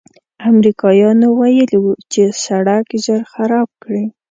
امریکایانو ویلي و چې سړک ژر خراب کړي.